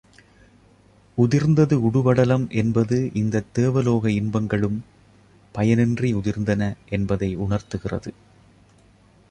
உதிர்ந்தது உடுபடலம் என்பது இந்தத் தேவலோக இன்பங்களும் பயனின்றி உதிர்ந்தன என்பதை உணர்த்துகிறது.